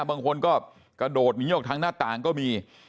บางคนก็กระโดดหนีออกทางหน้าต่างก็มี